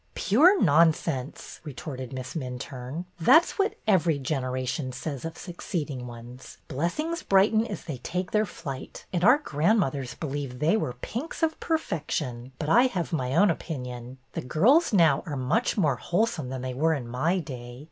'' Pure nonsense," retorted Miss Minturne. That 's what every generation says of succeed ing ones. Blessings brighten as they take their flight, and our grandmothers believe they were pinks of perfection. But I have my own opinion. The girls now are much more wholesome than they were in my day.